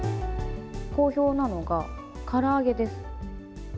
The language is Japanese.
好評なのがから揚げです。